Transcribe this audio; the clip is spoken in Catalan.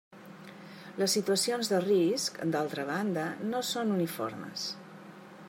Les situacions de risc, d'altra banda, no són uniformes.